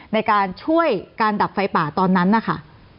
ในการช่วยการดับไฟป่าตอนนั้นนะคะ